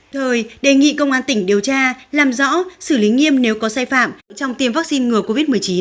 thời đề nghị công an tỉnh điều tra làm rõ xử lý nghiêm nếu có sai phạm trong tiêm vaccine ngừa covid một mươi chín